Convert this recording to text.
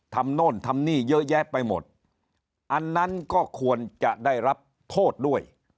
โน่นทำนี่เยอะแยะไปหมดอันนั้นก็ควรจะได้รับโทษด้วย